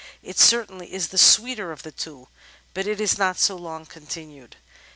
It certainly is the sweeter of the two, but it is not so long continued.